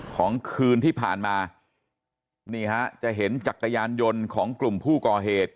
ของคืนที่ผ่านมานี่ฮะจะเห็นจักรยานยนต์ของกลุ่มผู้ก่อเหตุ